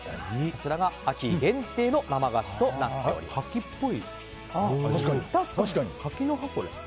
こちらが秋限定の生菓子となっています。